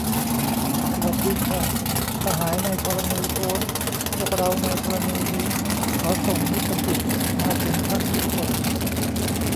สวัสดีค่ะ สหายในธรณีโพ้น พวกเราในธรณีนี้ ขอส่งมิตรจิตมาถึงท่านทุกคน